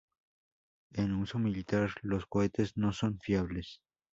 En uso militar, los cohetes no son fiables.